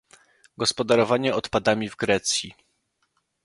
Gospodarowanie odpadami w Grecji